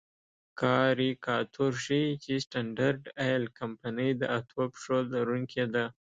کاریکاتور ښيي چې سټنډرډ آیل کمپنۍ د اتو پښو لرونکې ده.